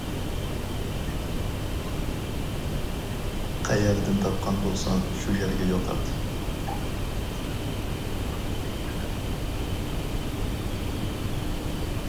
قەيەردىن تاپقان بولساڭ شۇ يەرگە يوقات!